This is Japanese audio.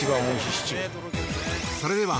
それでは